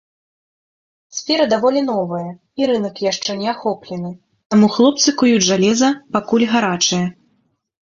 Сфера даволі новая, і рынак яшчэ не ахоплены, таму хлопцы куюць жалеза, пакуль гарачае.